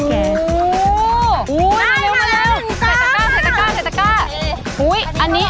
เร็วเวลายังไม่ได้หยุดเลย